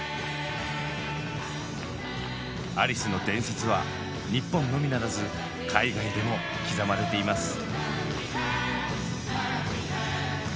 アリスの伝説は日本のみならず海外でも刻まれています。